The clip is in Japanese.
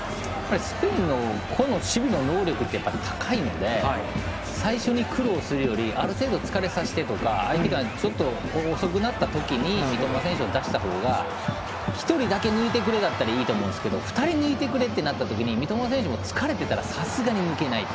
スペインの個の能力って高いんで最初に苦労するよりある程度疲れさせてとか相手が、ちょっと遅くなったとき三笘選手を出したほうが一人だけ抜いてくれだったらいいんですけど２人抜いてくれってなったときに三笘選手も疲れていたらさすがに抜けない。